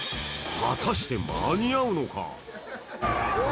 果たして間に合うのか？